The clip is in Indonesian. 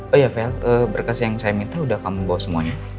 oh ya vel berkes yang saya minta udah kamu bawa semuanya